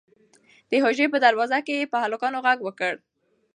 د حجرې په دروازه کې یې په هلکانو غږ وکړ.